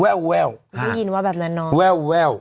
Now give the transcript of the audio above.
แววแววไม่ยินว่าแบบนั้นเนอะแววแววอ่า